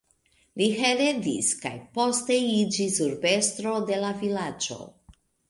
Li heredis, kaj poste iĝis urbestro de la vilaĝo.